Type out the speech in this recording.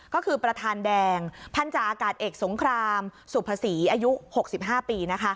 ก็คือประธานแดงพันธาอากาศเอกสงครามสุภาษีอายุ๖๕ปี